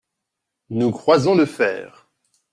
Nous croisons le fer…